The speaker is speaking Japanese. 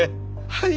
はい！